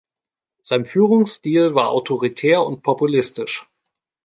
Sein Führungsstil war autoritär und populistisch.